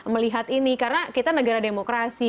melihat ini karena kita negara demokrasi